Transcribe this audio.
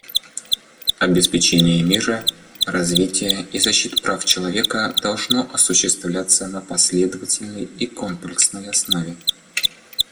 Обеспечение мира, развития и защиты прав человека должно осуществляться на последовательной и комплексной основе.